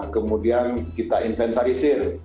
kemudian kita inventarisir